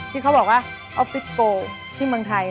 ที่เขาบอกว่าออฟฟิศโกที่เมืองไทย